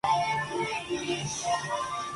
Se trata de una producción alemana y austriaca.